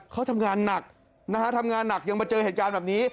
เขาทำงานหนักนะฮะทำงานหนักยังมาเจอเหตุการณ์แบบนี้